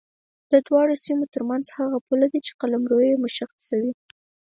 د دواړو سیمو ترمنځ هغه پوله ده چې قلمرو یې مشخصوي.